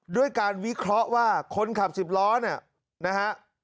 ด้วยการวิเคราะห์ว่าคนขับสิบล้อเนี่ยนะฮะ